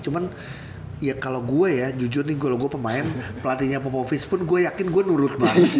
cuman ya kalo gue ya jujur nih kalo gue pemain pelatihnya popovich pun gue yakin gue nurut banget sih